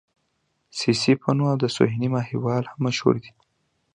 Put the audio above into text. سسي پنو او سوهني ماهيوال هم مشهور دي.